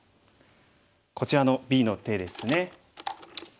こちらのＢの手ですね。